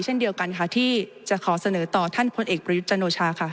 เช่นเดียวกันค่ะที่จะขอเสนอต่อท่านพลเอกประยุทธ์จันโอชาค่ะ